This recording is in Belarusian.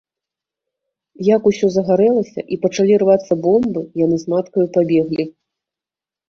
Як усё загарэлася і пачалі рвацца бомбы, яны з маткаю пабеглі.